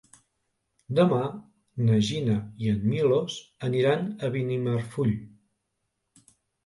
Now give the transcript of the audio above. Demà na Gina i en Milos aniran a Benimarfull.